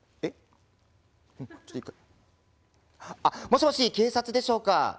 あっもしもし警察でしょうか。